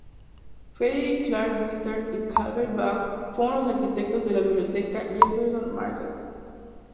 Frederick Clarke Withers y Calvert Vaux fueron los arquitectos de la Biblioteca Jefferson Market.